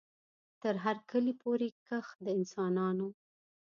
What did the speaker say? تر هر کلي پوري کښ د انسانانو